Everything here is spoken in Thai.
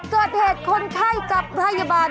เกิดเหตุคนไข้กับพยาบาล